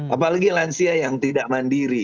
apalagi lansia yang tidak mandiri